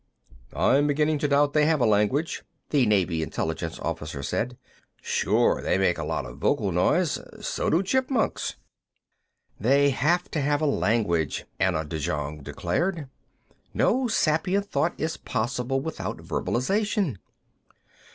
"I'm beginning to doubt they have a language," the Navy intelligence officer said. "Sure, they make a lot of vocal noise. So do chipmunks." "They have to have a language," Anna de Jong declared. "No sapient thought is possible without verbalization."